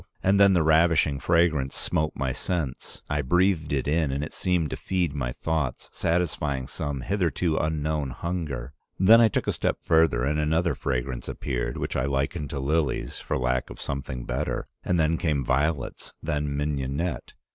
And then the ravishing fragrance smote my sense. I breathed it in and it seemed to feed my thoughts, satisfying some hitherto unknown hunger. Then I took a step further and another fragrance appeared, which I liken to lilies for lack of something better, and then came violets, then mignonette.